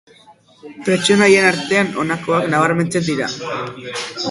Pertsonaien artean honakoak nabarmentzen dira.